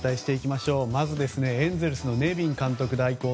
まず、エンゼルスのネビン監督代行